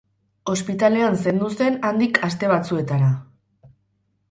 Ospitalean zendu zen handik aste batzuetara.